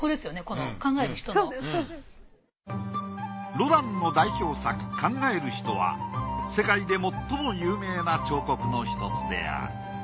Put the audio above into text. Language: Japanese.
ロダンの代表作『考える人』は世界で最も有名な彫刻のひとつである。